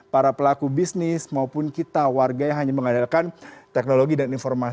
para pelaku bisnis maupun kita warga yang hanya mengandalkan teknologi dan informasi